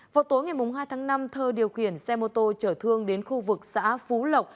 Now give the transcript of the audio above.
vào tối ngày hai tháng năm thơ điều khiển xe mô tô trở thương đến khu vực xã phú lộc